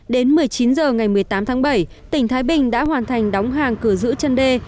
đến một mươi chín h ngày một mươi tám tháng bảy tỉnh thái bình đã hoàn thành đóng hàng cửa giữ chân đê